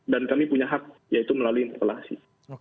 dan kami punya hak yaitu melalui interpelasi